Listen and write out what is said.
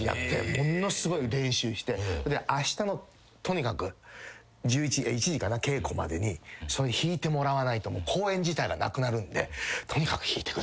ものすごい練習してあしたのとにかく１時かな稽古までに弾いてもらわないと公演自体がなくなるんでとにかく弾いてください。